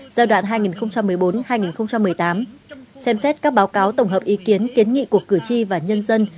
giai đoạn hai nghìn một mươi bốn hai nghìn một mươi tám xem xét các báo cáo tổng hợp ý kiến kiến nghị của cử tri và nhân dân